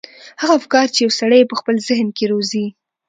هغه افکار چې يو سړی يې په خپل ذهن کې روزي.